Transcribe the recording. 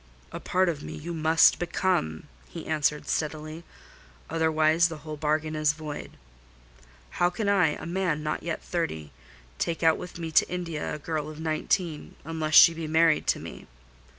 "A part of me you must become," he answered steadily; "otherwise the whole bargain is void. How can I, a man not yet thirty, take out with me to India a girl of nineteen, unless she be married to me?